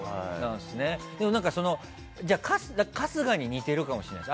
じゃあ春日に似てるかもしれないです。